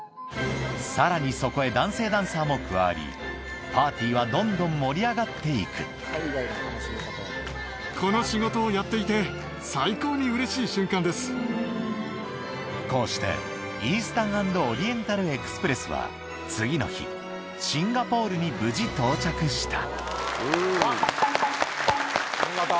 さらにそこへ男性ダンサーも加わりパーティーはどんどん盛り上がって行くこうしてイースタン＆オリエンタル・エクスプレスは次の日シンガポールに無事到着したお見事。